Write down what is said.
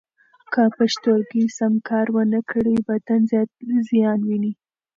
که پښتورګي سم کار و نه کړي، بدن زیان ویني.